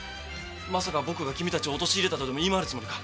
まさか僕が君たちを陥れたとでも言い回るつもりか？